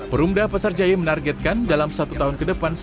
perumda pasar jaya juga bekerja sama dengan bank dki untuk melayani pemesanan kios